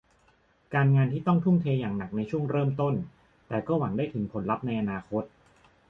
การงานที่ต้องทุ่มเทอย่างหนักในช่วงเริ่มต้น แต่ก็หวังได้ถึงผลลัพธ์ในอนาคต